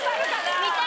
見たい！